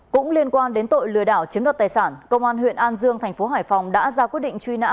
cũng liên quan đến tội lừa đảo chiếm đoạt tài sản công an huyện an dương thành phố hải phòng đã ra quyết định truy nã